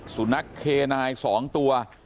สุนัขเคนาย๒ตัว